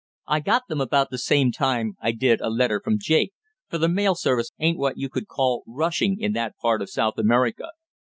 I got them about the same time I did a letter from Jake, for the mail service ain't what you could call rushing in that part of South America."